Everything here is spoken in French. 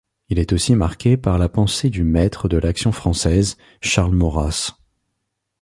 Il est aussi marqué par la pensée du maitre de l'Action française, Charles Maurras.